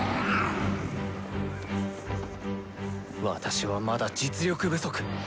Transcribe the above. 私はまだ実力不足。